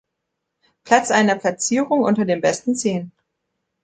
Platz eine Platzierung unter den besten zehn.